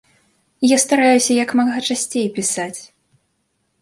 Я стараюся як мага часцей пісаць.